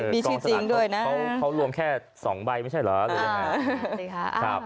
มีชุดจริงด้วยนะเค้ารวมแค่๒ใบไม่ใช่เหรอ